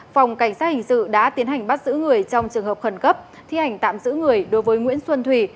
phòng cảnh sát hình sự đã tiến hành bắt giữ người trong trường hợp khẩn cấp thi ảnh tạm giữ người đối với nguyễn xuân thủy